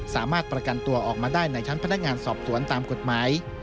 สามารถประกันตัวออกมาได้ในชั้นพนักงานสอบสวนตามกฎหมาย